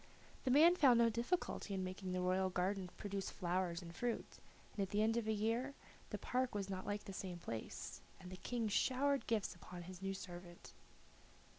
The man found no difficulty in making the royal garden produce flowers and fruit, and at the end of a year the park was not like the same place, and the King showered gifts upon his new servant.